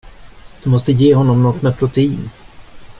Du måste ge honom något med protein.